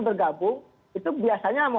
bergabung itu biasanya